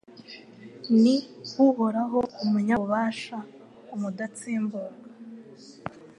Ni Uhoraho Umunyabubasha Umudatsimburwa